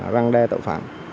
răng đe tội phạm